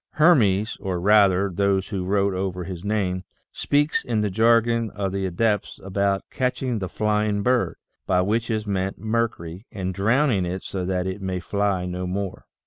Hermes, or, rather, those who wrote over his name, speaks in the jargon of the adepts, about " catching the flying bird," by which is meant mercury, and " drown ing it so that it may fly no more."